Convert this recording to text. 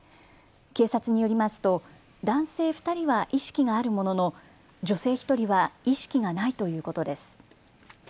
警察によりますと男性２人は意識があるものの女性１人は意識がないということです。